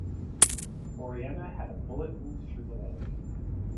Oryema had a bullet wound through the leg.